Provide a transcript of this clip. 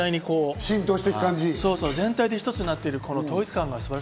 全体でひとつになっている統一感。